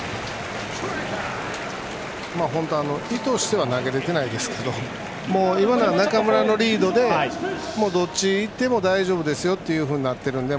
意図しては投げられてないですけど今のは中村のリードでどっちへ行っても大丈夫ですよっていうふうになっているので。